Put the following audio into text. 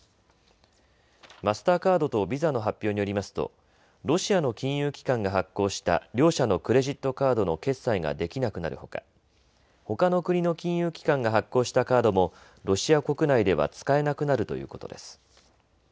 マスターカードとビザの発表によりますとロシアの金融機関が発行した両社のクレジットカードの決済ができなくなるほかほかの国の金融機関が発行したカードもロシア国内では使えなくなるということです。